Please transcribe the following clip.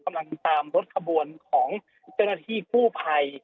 กำลังตามรถขบวนของเจ้าหน้าที่กู้ภัย